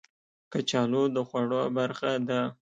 کچالو د خوړو برخه ده